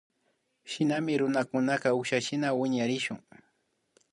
Shinami runakunaka ukshashina wiñarishun